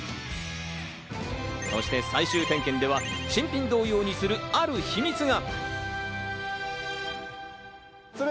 そして最終点検では新品同様にする、ある秘密が。